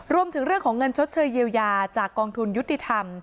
รวมถึงเรื่องของเงินชดเชยเยียวยาจากกองทุนยุติธรรม